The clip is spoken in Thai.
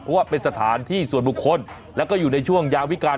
เพราะว่าเป็นสถานที่ส่วนบุคคลแล้วก็อยู่ในช่วงยาวิการ